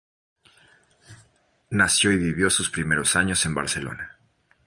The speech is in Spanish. Nació y vivió sus primeros años en Barcelona.